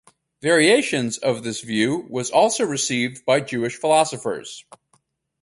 Variations of this view was also received by Jewish philosophers.